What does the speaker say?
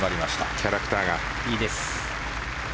キャラクターがいいね。